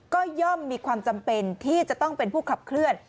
ก็ย่อมมีความจำเป็นที่จะต้องเป็นผู้ขับเคลื่อน